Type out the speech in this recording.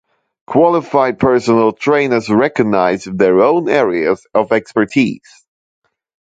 Qualified personal trainers recognize their own areas of expertise.